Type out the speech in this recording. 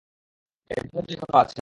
এজন্যই তো এখনও আছে।